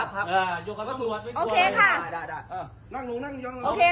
พี่หนูอัดวีดีโอไว้ไม่มีใครเตะ